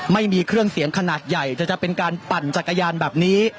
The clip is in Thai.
ไม่มีเครื่องเสียงขนาดใหญ่แต่จะเป็นการปั่นจักรยานแบบนี้